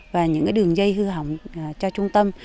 và những đường dịch